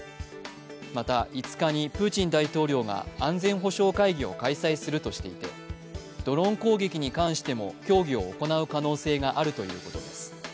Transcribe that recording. また５日にプーチン大統領が安全保障会議を開催するとしていてドローン攻撃に関しても協議を行う可能性があるということです。